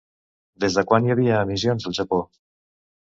Des de quan hi havia emissions al Japó?